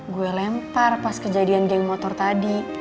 gue lempar pas kejadian geng motor tadi